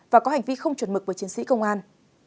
và có hành vi không chuẩn mực với chiến sĩ công an